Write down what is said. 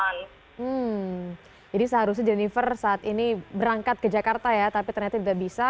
hmm jadi seharusnya jennifer saat ini berangkat ke jakarta ya tapi ternyata tidak bisa